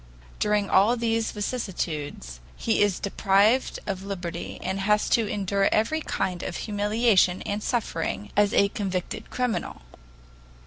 During all these vicissitudes he is deprived of liberty and has to endure every kind of humiliation and suffering as a convicted criminal.